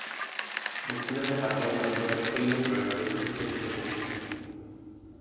Musíme se také zabývat některými projekty, do kterých se pouštíme.